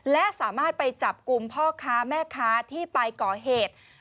และสามารถไปจับกลุ่มพ่อค้าแม่ค้าที่ไปก่อเหตุ